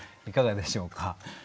いかがでしょうか？